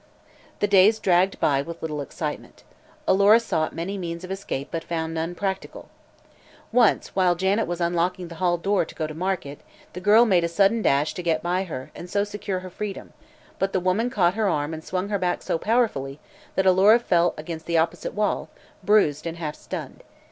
The days dragged by with little excitement. Alora sought many means of escape but found none practical. Once, while Janet was unlocking the hall door to go to market, the girl made a sudden dash to get by her and so secure her freedom; but the woman caught her arm and swung her back so powerfully that Alora fell against the opposite wall, bruised and half stunned.